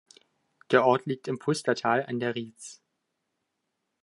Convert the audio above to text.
Der Ort liegt im Pustertal an der Rienz.